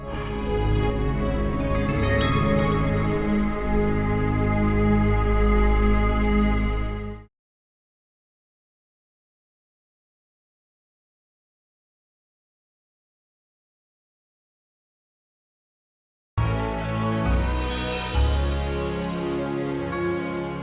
bagaimana yang pertama